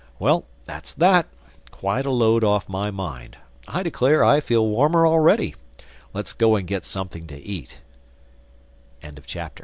Well, that's that—Quite a load off my mind. I declare I feel warmer already. Let's go and get something to eat." THE FIFTH CHAPTER WAR!